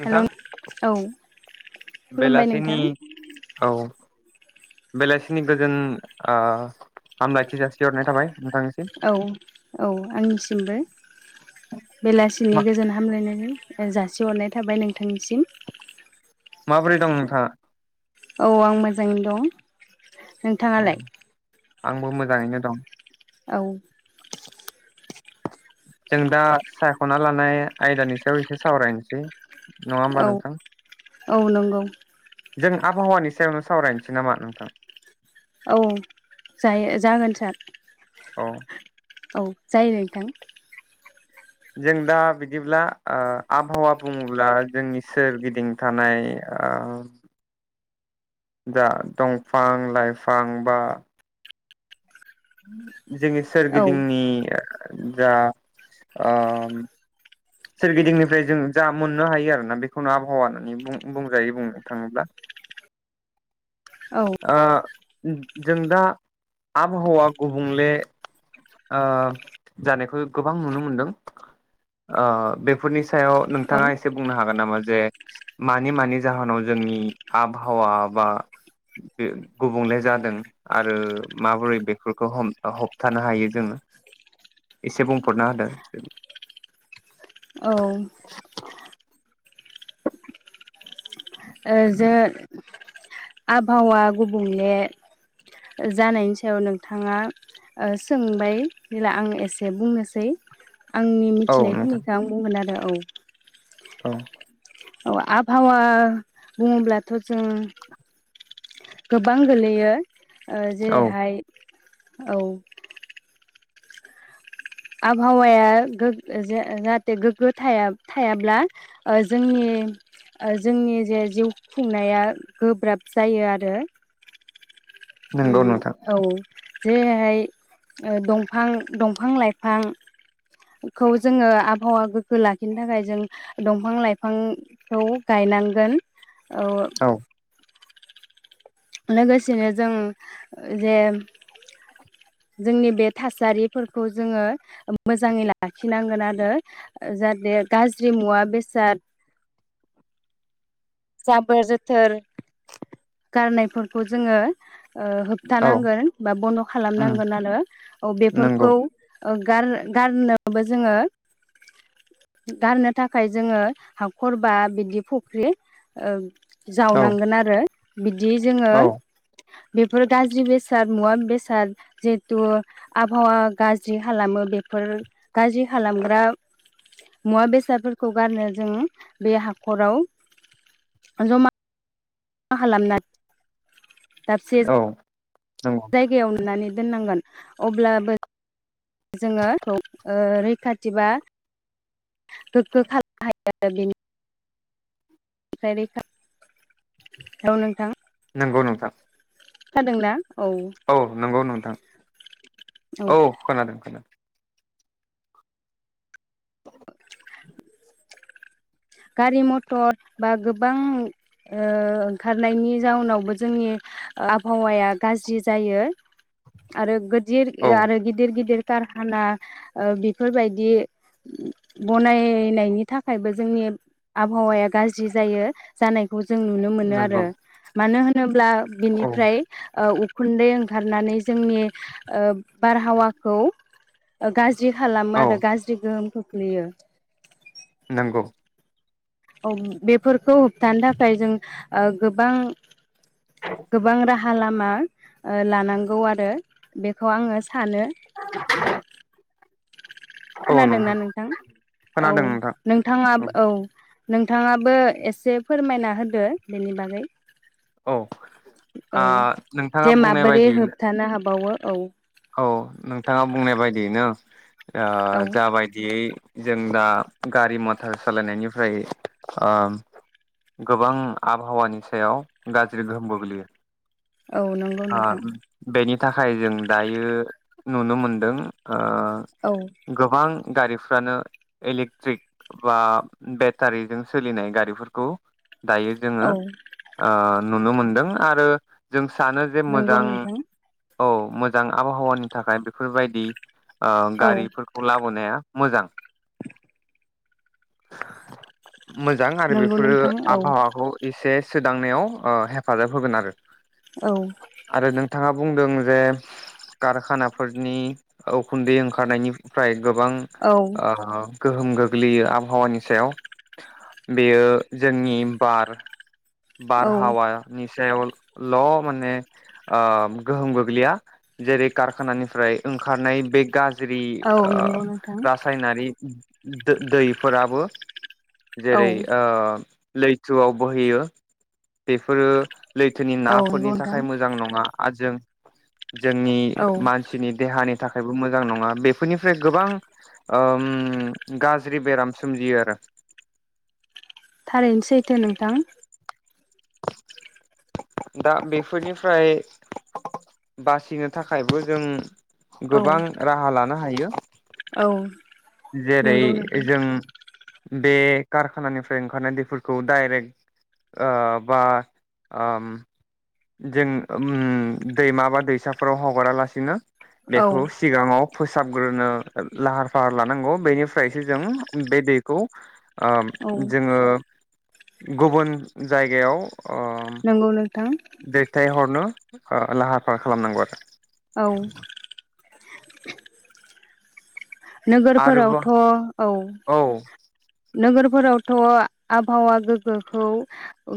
हेल' औ खुलुमबाय बेलासिनि नोंथां औ बेलासिनि गोजोन आ हामलायथि जासिहरनाय थाबाय नोंथांनिसिम औ औ आंनिसिमबो बेलासिनि गोजोन हामलायनायजों जासिहरनाय थाबाय नोंथांनिसिम माबोरै दं नोंथाङा औ आं मोजाङैनो दं औ नोंथाङालाय आंबो मोजाङैनो दं औ जों दा सायख'ना लानाय आयदानि सायाव एसे सावरायनोसै नङा होमबा औ नोंथां औ नंगौ जों आबहावानि सायावनो सावरायनोसै नामा नोंथां औ जायो जागोन सार औ औ जायो नोंथां जों दा बिदिब्ला ओ आबहावा बुङोब्ला जोंनि सोरगिदिं थानाय ओ दा दंफां लाइफां बा [inaudible] जोंनि औ सोरगिदिंनि जा आ सोरगिदिंनिफ्राय जों जा मोननो हायो आरोना बेखौनो आबहावा होननानै बुंजायो बुंनो थाङोब्ला औ आ जों दा आबहावा गुबुंले ओ जानायखौ गोबां नुनो मोनदों ओ बेफोरनि सायाव औ औ नोंथाङा एसे बुंनो हागोन नामा जे मानि मानि जाहोनाव जोंनि आबहावा बा गुबुंले जादों आरो माबोरै बेफोरखौ होब होबथानो हायो जोङो एसे बुंहरनो होादों ओ [inaudible] ओ जे आबहावा गुबुंले जानायनि सायाव नोंथाङा ओ सोंबाय जेला आं एसे बुंनोसै। आंनि औ नोंथां मिथिनायखिनिखौ आं बुंगोन आरो औ औ औ आबहावा बुङोब्लाथ' जों गोबां गोलैयो ओ औ जेरैहाय औ आबहावाया गो जे जाहाथे गोग्गो थाया थायाब्ला ओ जोंनि ओ जोंनि जे जिउ खुंनाया गोब्राब जायो आरो नंगौ उम नोंथां औ जे हाय ओ दफां दंफां लाइफां फां खौ जोङो आबहावा गोग्गो लाखिनो थाखाय जों दंफां लाइफांखौ गायनांगोन औ लोगोसेनो जों जे जोंनि बे थासारिफोरखौ जोङो ओ मोजाङै लाखिनांगोन आरो जाहाथे गाज्रि मुवा बेसाद जाबोर जोथोर गारनायफोरखौ जोङो ओ औ होबथानांगोन बा बन्द' उम खालामनांगोन आरो औ नंगौ बेफोरखौ ओ गार गारनोबो जोङो गारनो थाखाय जोङो हाखर बा बिदि फख्रि ओं औ जावनांगोन आरो बिदि जोङो औ बेफोर गाज्रि बेसाद मुवा बेसाद जिहेतु आबहावा गाज्रि खालामो बेफोर गाज्रि खालामग्रा मुवा बेसादफोरखौ गारनो जों बे हाखराव ओ जमा [unintelligible] दाबसे औ नंगौ जायगायाव नुनानै दोननांगोन अब्लाबो जोङो ओ रैखाथि बा गोग्गो [unintelligible] [unintelligible] नोंथां नंगौ नोंथां [unintelligible] औ नोंगौ नोंथां औ खोनादों खोनादों [inaudible] गारि मथर बा गोबां ओ ओंखारनायनि जाउनावबो जोंनि ओ आबहावाया गाज्रि जायो आरो गो दिर औ ओ आरो गिदिर गिदिर कारकाना ओ बेफोरबायदि बनायनायनि थाखायबो जोंनि आबहावाया गाज्रि जायो जानाय जों नुनो मोनो आरो नंगौ मानो होन ब्ला औ बिनिफ्राय ओ उ खुन्दै ओंखारनानै जोंनि ओ बारहावाखौ गा थ्रि खालामो आरो गाज्रि गोहोमखौ खो गोलैयो नंगौ। औ बेफोरखौ होबथानो थाखाय जों ओ गोबां गोबां राहा राहा लामा ऐ लानांगौ आरो बेखौ आङो सानो औ खोनादोंना नंगौ नोंथां औ खोनादों नोंथां नोंथाङा औ नोंथाङाबो एसे फोरमायना होदो बेनि बागै औ औ आ नोंथाङा जे बुंनाय माबोरै बायदियैनो होबथानो हाबावो औ औ नोंथाङा बुंनाय बायदियैनो ओ औ जाबायदियै जों दा गारि मटर सालायनायनिफ्राय ओ गोबां आबहावानि सायाव गाज्रि गोहोम गोग्लैयो। औ नंगौ ओ नोंथां बेनि थाखाय जों दायो नुनो मोनदों ओ औ गोबां गारिफ्रानो इलेक्ट्रिक बा बेटारिजों सोलिनाय गारिफोरखौ दायो जोङो औ ओ नुनो मोनदों आरो जों सानो जे नंगौ मोजां नोंथां औ मोजां मोजां आबहावानि थाखाय बेफोरबायदि ओ औ गारिफोरखौ लाबोनाया मोजां [unintelligible] मोजां आरो नंगौ बेफोरो नोंथां औ आबहावाखौ एसे सोदांनायाव ओ हेफाजाब होगोन आरो औ आरो नोंथाङा बुंदों जे कारखानाफोरनि उखुन्दै ओंखारनायनिफ्राय गोबां औ ओ गो गोग्लैयो आबहावानि सायाव बेयो जोंनि बार बार औ हावा निसायाव ल माने ओ गोहोम गोग्लैया जेरै कारखानानिफ्राय ओंखारनाय बे गाज इ औ ओ नंगौ नोंथां रासायनारि दो-दैफोराबो औ जेरै ओ लैथुआव बोहैयो बेफोरो लैथोनि औ नंगौ नाफोरनि नोंथां थाखाय मोजां नङा आरो जों जोंनि औ मानसिनि देहानि थाखायबो मोजां नङा बेफोरनिफ्राय गोबां ओम गाज्रि बेराम सोमजियो आरो थारैनो सैथो नोंथां दा बेफोरनिफ्राय बासिनो थाखायबो जों औ गोबां राहा लानो हायो [inaudible] औ जेरै नंगौ नोंथां जों बे कारखानानिफ्राय ओंखारनाय दैफोरखौ डाइरेक्ट ओ बा ओ दैमा बा दैसाफोराव हगारालासिनो औ बेखौ सिगाङाव फोसाबग्रोनो लाहार फाहार लानांग बेनिफ्रायसो जों बे दैखौ ओ औ जोङो गुबुन जायगायाव अ नंगौ नोंथां दैथायहरनो। ओ लाहार फाहार खालामनांगौ आरो औ [inaudible] आरो नोगोरफोरावथ आरोबाव औ औ नोगोरफोरावथ आबहावा गोग्गोखौ ओ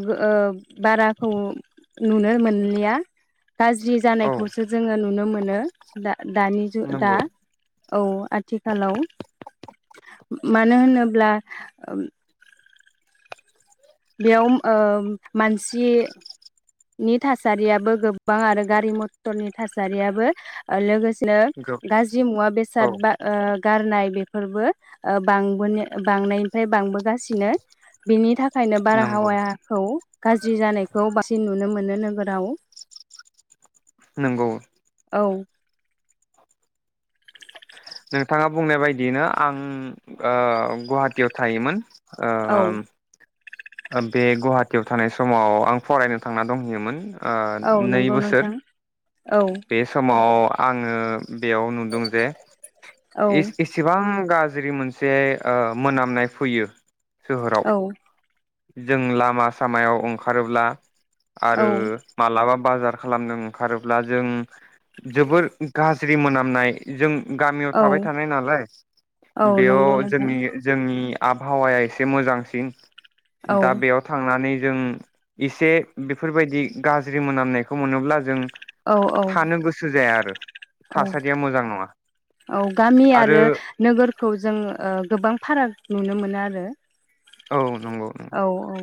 बाराखौ नुनो मोनलिया गाज्रि औ जानायखौसो जोङो नुनो मोनो दा- दानि जु दा नंगौ औ आ खालाव मानो होनोब्ला बेयाव ओ मानसि नि थासारियाबो गोबां आरो गारि मथरनि थासारियाबो लोगोसे नो गो गाज्रि मुवा बेसाद औ बा ओ गारनाय बेफोरबो ओ बांबोन-बांनायनिफ्राय बांबोगासिनो बेनि थाखाय नो नंगौ बारहावाखौ गाज्रि जानायखौ बा मोननो नोगोराव नंगौ औ नोंथाङा बुंनाय बायदियैनो आं ओ गुवाहाटियाव थायोमोन औ उम बे गुवाहाटियाव थानाय समाव आं फरायनो थांना दंहैयोमोन। ओ औ नै नंगौ बोसोर नोंथां औ बे समाव आङो बेयाव नुदों जे औ एसेबां गाज्रि गाज्रि मोनसे ओ मोनामनाय फैयो सोहोराव जों लामा सामायाव ओंखारोब्ला औ आरो मालाबा बाजार खालामनो ओंखारोब्ला जों जोबोर गाज्रि मोनामनाय जों गामियाव औ थाबाय थानाय नालाय औ बेयाव नंगौ नोंथां जोंनि जोंनि आबहावाया एसे मोजांसिन औ दा बेयाव थांनानै जों एसे बेफोरबायदि गाज्रि मोनामनायखौ मोनोब्ला जों औ औ थानो गोसो जाया आरो औ थासारिया मोजां नङा औ गामि आरो नोगोरखौ जों गोबां फाराग नुनो मोनो आरो औ नंगौ नंगौ औ औ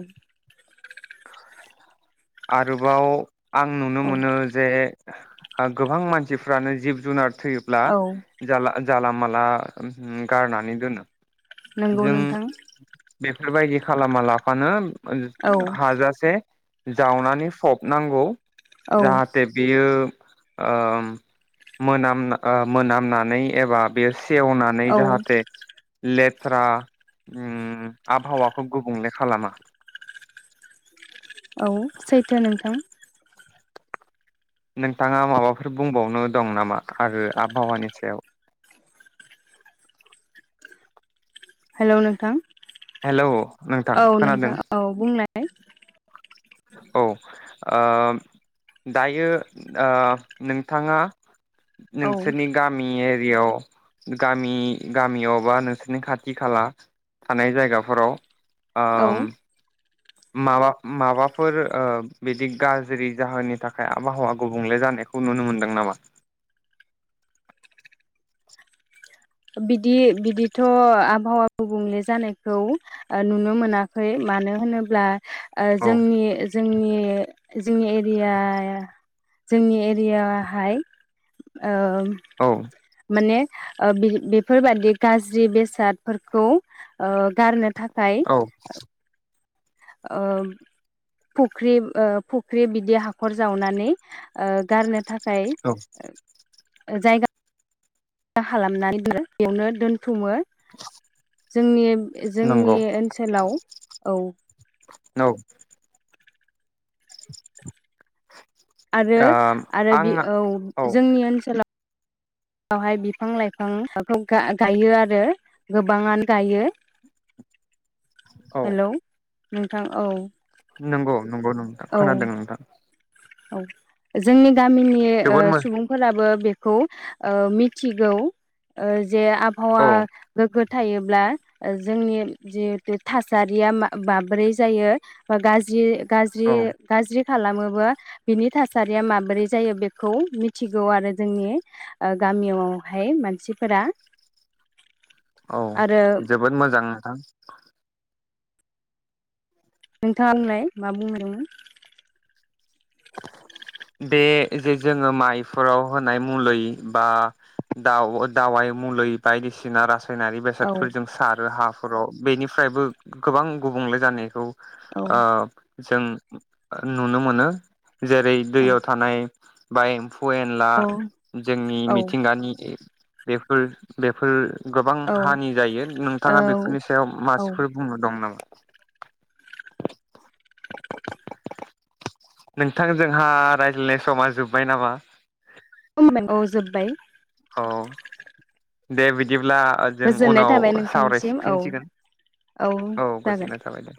आरोबाव आं नुनो औ मोनो जे गोबां मानसिफ्रानो जिब जुनार थैयोब्ला औ जाला माला बा गारनानै दोनो नंगौ जों नोंथां बेफोरबायदि खालामा लाफानो औ हाजासे जावनानै फबनांगौ औ जाहाथे बियो ओ मोनाम ओ मोनामनानै एबा बेयो सेवनानै औ जाहाथे ले फोरा उम आबहावाखौ गुबुंले खालामो औ सैथो नोंथां नोंथाङा माबाफोर बुंबावनो दं नामा आरो आबहावानि सायाव हेलौ नोंथां हेलौ नोंथां औ खोनादों नोंथां औ बुंनाय। औ दायो नोंथाङा औ नोंसोरनि गामि एरियाव गामि गामियाव बा नोंसोरनि खाथि खाला थानाय जायगाफोराव औ उम माबा माबाफोर बिदि गाज्रि जाहोननि थाखाय आबहावा गुबुंले जानायखौ नुनो मोनदों नामा? बिदि बिदिथ' आबहावा गुबुंले जानायखौ नुनो ओ मोनाखै मानो होनोब्ला औ जोंनि जोंनि जोंनि एरियाया जोंनि एरियाहाय ओ औ माने ओ बि बेफोरबायादि गाज्रि बेसादफोरखौ ओ गारनो थाखाय ओ फुख्रि ओ फुख्रि बिदि हाखर जावनानै गारनो थाखा ओमफ्राय जायगा साफा खालामनानै बेयावनो दोन्थुमो [inaudible] जोंनि नंगौ जोंनि ओनसोलाव औ औ आरो आं आरो बि औ जोंनि ओनसोलाव बेवहाय बिफां लाइफांखौ गायो आरो गोबाङानो गायो औ हेलौ नोंथां औ नंगौ। नंगौ नोंथां औ खोनादों नोंथां। औ जोंनि गामिनि ओ जोबोद मो सुबुंफोराबो बेखौ ओ मिथिगौ ओ जे आबहावा औ गोगो थायोब्ला जोंनि जिहेथु थासारिया माबोरै जायो बा गाज्रि गाज्रि औ गाज्रि खालामोबा बिनि थासारिया माबोरै जायो बेखौ मिथिगौआरो जोंनि ओ गामियावहाय मानसिफोरा औ आरो जोबोद मोजां थां नोंथाङा होनलाय मा बुंहदोंमोन बे जे जोङो माइफोराव होनाय मुलि बा दाव-दावाइ मुलि बायदिसिना रास फायनारि औ बेसादफोरजों सारो हाफ खराव बेनिफ्रायबो गोबां गुबुंले जानायखौ औ अ जों नुनो मोनो। जेरै दैयाव थानाय बाय फौ एनला औ जोंनि औ मिथिंगानि बेफोर बेफोर गोबां हानि जायो नोंथाङा बेफोरनि सायाव औ मासिफोर बुंनो दं नामा [unintelligible] नोंथां जोंहा रायज्लायनाय समा जोब्बाय नामा औ जोब्बाय औ दे बिदि जेब्ला जों गोजोननाय उनाव थाबाय नोंथांनिसिम औ सावरायफिनसिगोन औ जागोन। गोजोननाय थाबाय दे